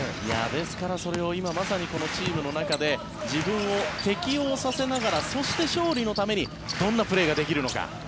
ですから、それを今まさにチームの中で自分を適応させながらそして勝利のためにどんなプレーができるのか。